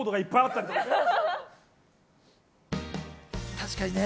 確かにね。